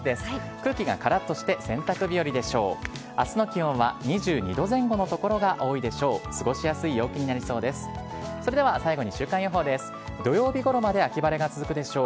空気がからっとして洗濯日和でしょう。